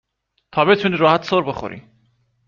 تا بتونی راحت سر بخوری